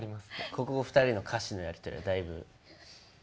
ここ２人の歌詞のやり取りはだいぶ。